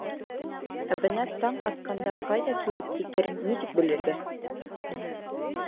Ә бына таң атҡанда ҡайҙа килеп етерен нисек белергә?